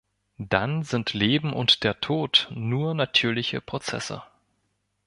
Dann sind Leben und der Tod nur natürliche Prozesse.